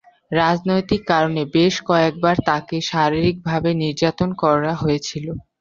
রাজনৈতিক কারণে বেশ কয়েকবার তাকে শারীরিক ভাবে নির্যাতন করা হয়েছিল।